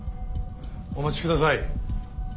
お待ちください。